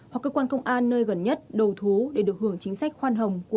hoặc cơ quan công an nơi gần nhất đầu thú để được hưởng chính sách khoan hồng của nhà nước